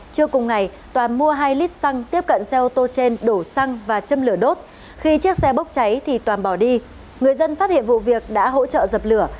trưa cùng ngày toàn mua hai lít xăng tiếp cận xe ô tô trên đổ xăng và châm lửa đốt khi chiếc xe bốc cháy thì toàn bỏ đi người dân phát hiện vụ việc đã hỗ trợ dập lửa